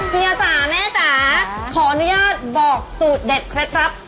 พี่อาจารย์แม่อาจารย์ขออนุญาตบอกสูตรเด็ดเคล็ดครับ